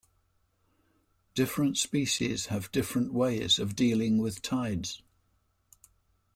Different species have different ways of dealing with tides.